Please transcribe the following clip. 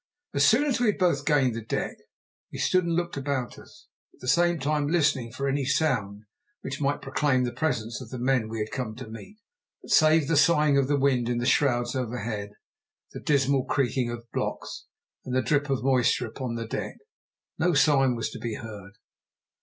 As soon as we had both gained the deck we stood and looked about us, at the same time listening for any sound which might proclaim the presence of the men we had come to meet; but save the sighing of the wind in the shrouds overhead, the dismal creaking of blocks, and the drip of moisture upon the deck, no sign was to be heard.